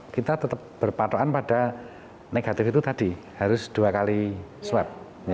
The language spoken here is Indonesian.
kita tetap berpatoan pada negatif itu tadi harus dua kali swab